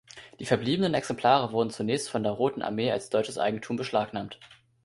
Die verbliebenen Exemplare wurden zunächst von der Roten Armee als deutsches Eigentum beschlagnahmt.